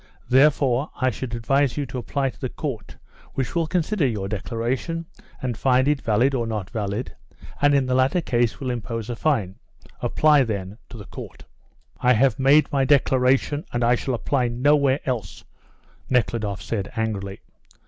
Therefore, I should advise you to apply to the Court, which will consider your declaration, and find it valid or not valid, and in the latter case will impose a fine. Apply, then, to the Court." "I have made my declaration, and shall apply nowhere else," Nekhludoff said, angrily.